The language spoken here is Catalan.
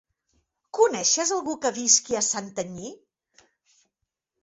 Coneixes algú que visqui a Santanyí?